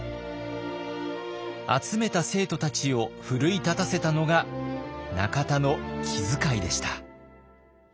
集めた生徒たちを奮い立たせたのが中田の気づかいでした。